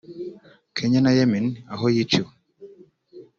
Kenya na Yemen aho yiciwe